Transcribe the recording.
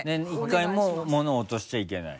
１回も物を落としちゃいけない。